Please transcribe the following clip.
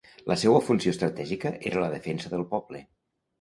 La seua funció estratègica era la defensa del poble.